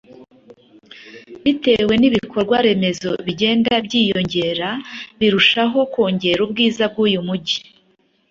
bitewe n’ibikorwaremezo bigenda byiyongera birushaho kongera ubwiza bw’uyu mujyi